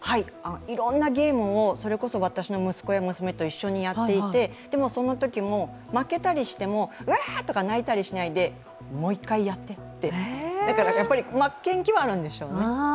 いろんなゲームを、それこそ私の娘や息子と一緒にやっていて、そのときも負けたりしても、うわーっと泣いたりしないでもう一回やってって、だからやっぱり負けん気はあるんでしょうね。